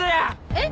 えっ！